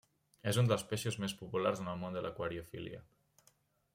És un dels peixos més populars en el món de l'aquariofília.